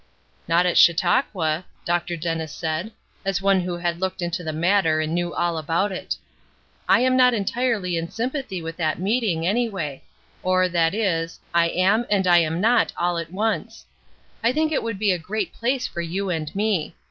"Not at Chautauqua," Dr. Dennis said, as one who had looked into the matter and knew all about it. "I am not entirely in sympathy with that meeting, anyway; or, that is, I am and I am not, all at once. I think it would be a grand place for you and me.